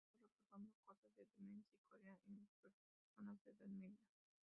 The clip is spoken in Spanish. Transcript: Empezó reportando casos de demencia y corea en personas de edad media.